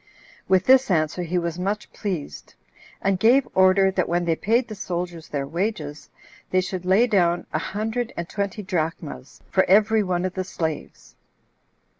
With this answer he was much pleased; and gave order, that when they paid the soldiers their wages, they should lay down [a hundred and] twenty drachmas 4 for every one of the slaves?